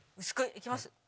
薄くいきます。